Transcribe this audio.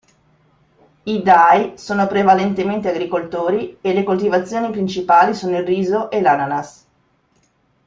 I dai sono prevalentemente agricoltori e le coltivazioni principali sono il riso e l'ananas.